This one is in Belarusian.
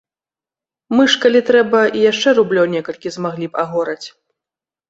Мы ж, калі трэба, і яшчэ рублёў некалькі змаглі б агораць.